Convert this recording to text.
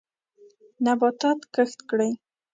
نباتات کښت کړئ.